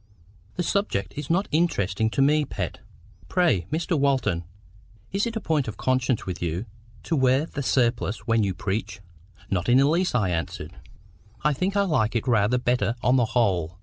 "The subject is not interesting to me, Pet. Pray, Mr. Walton, is it a point of conscience with you to wear the surplice when you preach?" "Not in the least," I answered. "I think I like it rather better on the whole.